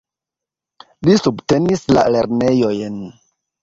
Li subtenis la lernejojn.